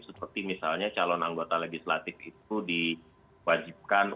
seperti misalnya calon anggota legislatif itu diwajibkan